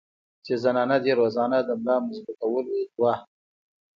چې زنانه دې روزانه د ملا مضبوطولو دوه